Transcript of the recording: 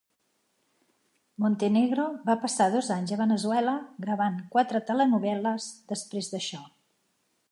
Montenegro va passar dos anys a Venezuela gravant quatre telenovel·les després d'això.